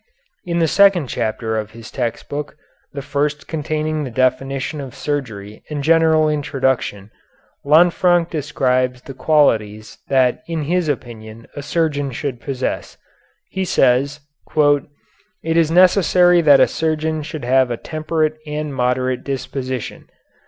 In the second chapter of this text book, the first containing the definition of surgery and general introduction, Lanfranc describes the qualities that in his opinion a surgeon should possess. He says, "It is necessary that a surgeon should have a temperate and moderate disposition.